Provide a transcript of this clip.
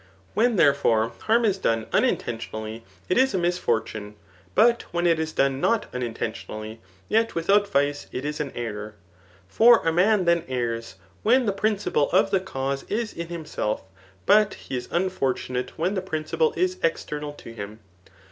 When, therefore, harm is done unintentionally, it is a misfortune ; but when it is done not unintentionally, yet without vice, it is an error. For a man then errs, when the principle of the cause is in himself; but he is unfor tunate when the principle is external to him.